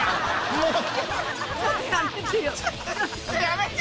もう！